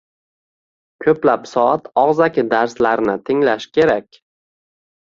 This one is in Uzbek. ko‘plab soat og‘zaki darslarni tinglash kerak.